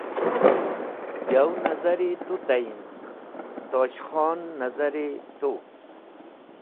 Yow nazari tu tayin, Tosh Khon nazari tu.